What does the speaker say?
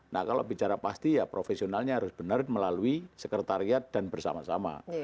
nah kalau bicara pasti ya profesionalnya harus benar melalui sekretariat dan bersama sama